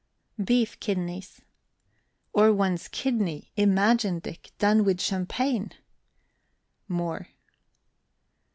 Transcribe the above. BEEF KIDNEYS. Or one's kidney, imagine, Dick, done with champagne. MOORE.